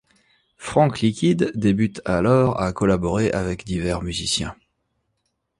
Frank Liquide débute alors à collaborer avec divers musiciens.